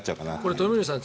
鳥海さん